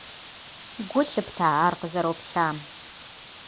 Гу лъыпта ар къызэроплъам?